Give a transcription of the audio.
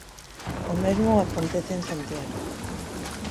O mesmo acontece en Santiago.